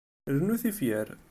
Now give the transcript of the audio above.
Rnu tifyar.